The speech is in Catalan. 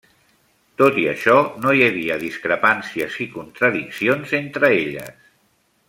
Tot i això no hi havia discrepàncies i contradiccions entre elles.